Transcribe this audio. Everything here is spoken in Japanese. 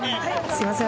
すいません。